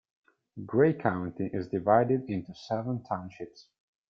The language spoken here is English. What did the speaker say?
Gray County is divided into seven townships.